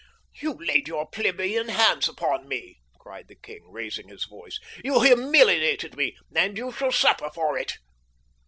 "You laid your plebeian hands upon me," cried the king, raising his voice. "You humiliated me, and you shall suffer for it."